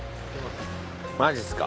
マジっすか。